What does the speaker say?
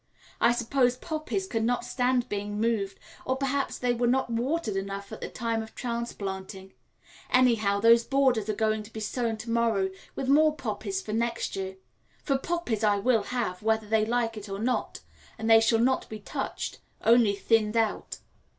I suppose poppies cannot stand being moved, or perhaps they were not watered enough at the time of transplanting; anyhow, those borders are going to be sown to morrow with more poppies for next year; for poppies I will have, whether they like it or not, and they shall not be touched, only thinned out.